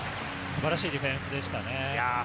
素晴らしいディフェンスでしたね。